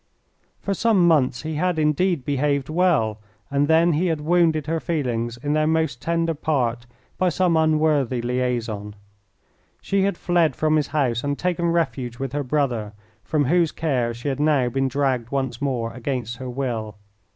For some months he had indeed behaved well, and then he had wounded her feelings in their most tender part by some unworthy liaison. She had fled from his house and taken refuge with her brother, from whose care she had now been dragged once more, against her will.